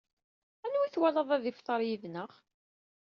Anwa i twalaḍ ad ifteṛ yid-neɣ?